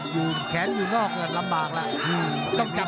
ถึงคอแขนอยู่ลำบากมาก